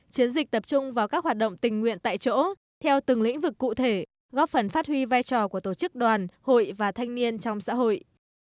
chiến dịch tập trung vào các hoạt động tình nguyện tại chỗ theo từng lĩnh vực cụ thể góp phần phát huy vai trò của tổ chức đoàn hội và thanh niên trong xã hội